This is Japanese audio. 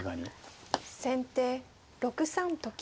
先手６三と金。